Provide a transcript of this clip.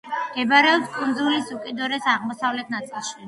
მდებარეობს კუნძულის უკიდურეს აღმოსავლეთ ნაწილში.